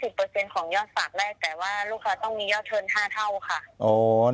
เรียบร้อยนะครับโอเคค่ะเอ่อในส่วนของการโอนมันต้องโอนจาก